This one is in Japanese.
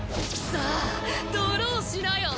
さぁドローしなよ！